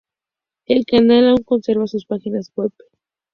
El canal aun conserva sus páginas web.